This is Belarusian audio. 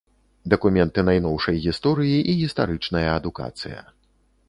Дакументы найноўшай гісторыі і гістарычная адукацыя.